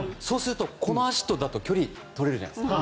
この足だと距離が取れるじゃないですか。